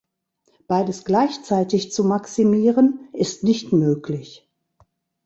Beides gleichzeitig zu maximieren ist nicht möglich.